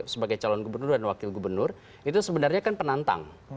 sebagai calon gubernur dan wakil gubernur itu sebenarnya kan penantang